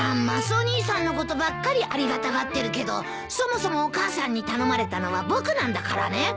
マスオ兄さんのことばっかりありがたがってるけどそもそもお母さんに頼まれたのは僕なんだからね。